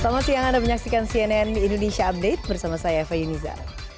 selamat siang anda menyaksikan cnn indonesia update bersama saya eva yunizar